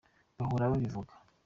bahora babivuga.